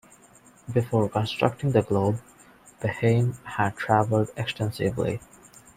Before constructing the globe, Behaim had traveled extensively.